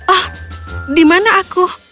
oh di mana aku